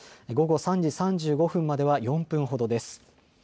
午後３時３５分までは４分ほどです。